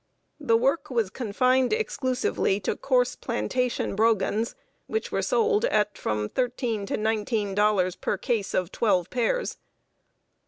The work was confined exclusively to coarse plantation brogans, which were sold at from thirteen to nineteen dollars per case of twelve pairs.